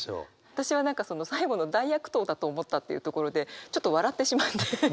私は何かその最後の「大悪党だと思った」っていうところでちょっと笑ってしまって。